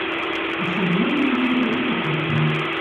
Усё было вельмі цёпла і па-хатняму.